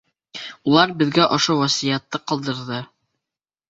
Улар беҙгә ошо васыятты ҡалдырҙы...